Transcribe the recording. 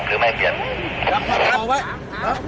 อ้อหอยน้ำจับทางด้วยจับทางด้วย